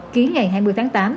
ký ngày hai mươi tháng tám